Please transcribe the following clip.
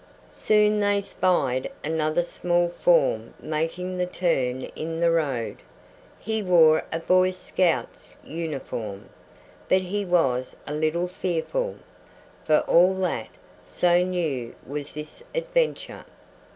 Soon they spied another small form making the turn in the road. He wore a Boy Scout's uniform, but he was a little fearful, for all that, so new was this adventure.